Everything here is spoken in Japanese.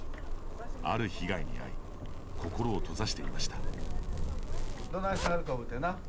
ある被害に遭い心を閉ざしていました。